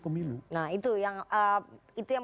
pemilu nah itu yang